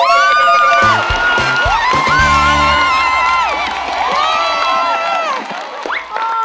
เย่